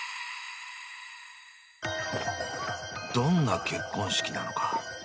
［どんな結婚式なのか？